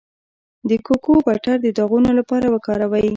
د کوکو بټر د داغونو لپاره وکاروئ